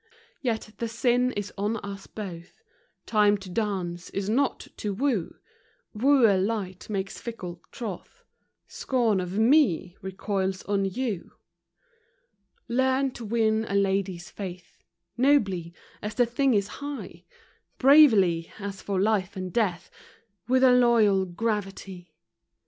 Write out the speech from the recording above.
Yet the sin is on us both — Time to dance is not to woo — Wooer light makes fickle troth — Scorn of me recoils on you : Learn to win a lady's faith Nobly, as the thing is high; Bravely, as for life and death, With a loyal gravity.